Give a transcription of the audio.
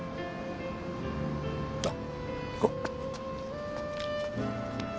なっ行こう。